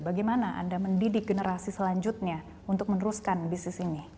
bagaimana anda mendidik generasi selanjutnya untuk meneruskan bisnis ini